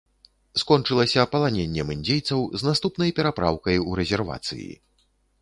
Скончылася паланеннем індзейцаў з наступнай перапраўкай у рэзервацыі.